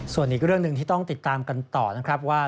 ส่วนอีกเรื่องหนึ่งที่ต้องติดตามกันต่อนะครับว่า